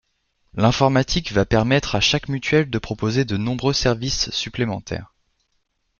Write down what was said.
L'informatique va permettre à chaque mutuelle de proposer de nombreux services supplémentaires.